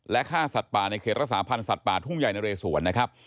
และฆ่าสัตว์ป่าในเขตรักษาพันธ์สัตว์ป่าทุ่งใหญ่นะเรสวนนะครับ